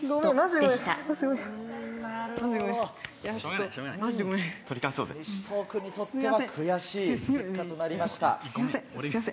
西頭君にとっては悔しい結果となりました。